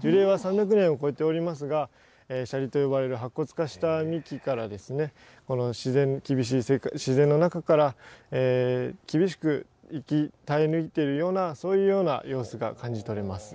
樹齢は３００年を超えておりますが白骨化した幹から、自然の中から厳しく生き耐え抜いているような、そういうような様子が感じ取れます。